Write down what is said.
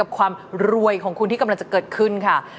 ความรวยของคุณที่กำลังจะเกิดขึ้นค่ะ